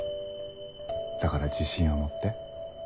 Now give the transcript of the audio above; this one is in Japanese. だから自信を持って。